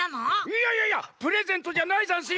いやいやいやプレゼントじゃないざんすよ！